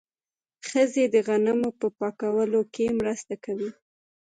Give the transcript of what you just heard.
ښځې د غنمو په پاکولو کې مرسته کوي.